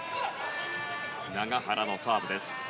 永原のサーブです。